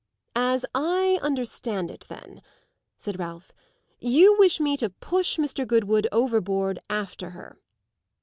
"As I understand it then," said Ralph, "you wish me to push Mr. Goodwood overboard after her.